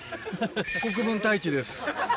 国分太一です。